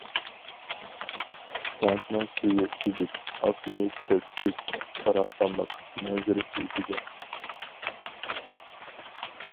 كەنتنىڭ سۈيى سۈزۈك، ئاسمىنى كۆك، بۈك-باراقسانلىق، مەنزىرىسى گۈزەل.